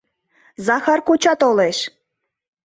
— Захар коча толеш!